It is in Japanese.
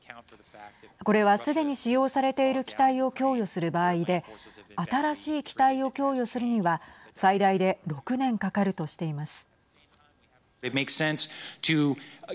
これはすでに使用されている機体を供与する場合で新しい機体を供与するには最大で６年かかるとしています。